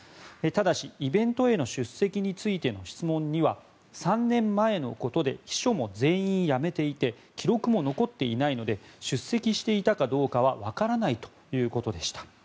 ただし、イベントへの出席についての質問には３年前のことで秘書も全員辞めていて記録も残っていないので出席していたかどうかはわからないということでした。